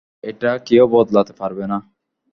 এটা কেউ বদলাতে পারবে না!